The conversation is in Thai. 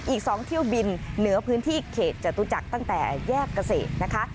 อีก๒เที่ยวบินเหนือพื้นที่เขตจตุจักรตั้งแต่แยกเกษตรนะคะ